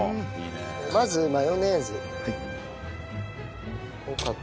まずマヨネーズをかける。